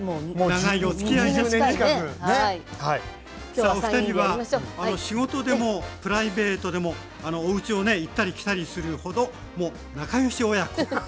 さあお二人は仕事でもプライベートでもおうちをね行ったり来たりするほどもう仲良し親子ですよね。